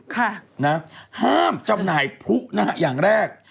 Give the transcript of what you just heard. ค่ะเนี่ยทีมงานแห้มจำหน่ายภู้หน้าอย่างแรก